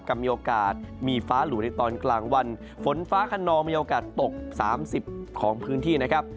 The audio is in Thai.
มีโอกาสมีฟ้าหลู่ในตอนกลางวันฝนฟ้าขนองมีโอกาสตก๓๐ของพื้นที่นะครับ